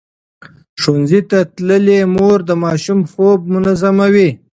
ښوونځې تللې مور د ماشوم خوب منظموي.